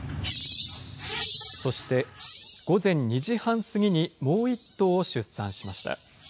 そして午前２時半過ぎにもう１頭を出産しました。